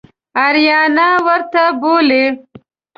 آریانا ورته بولي.